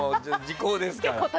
時効ですから。